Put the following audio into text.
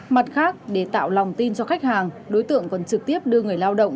mặt khác để tạo lòng tin cho khách hàng đối tượng còn trực tiếp đưa người lao động